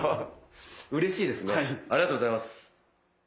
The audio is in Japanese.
うれしいですねありがとうございます。